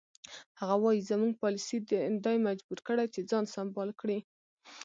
هغه وایي زموږ پالیسي دی مجبور کړی چې ځان سمبال کړي.